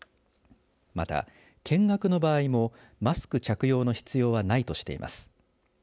また、見学の場合もマスク着用の必要はないとしています。